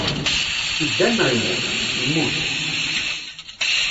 Idder neɣ immut? Immut.